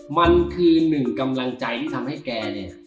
มันคือหนึ่งกำลังใจที่ทำให้แกเนี่ย